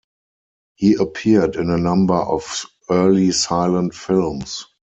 He appeared in a number of early silent films.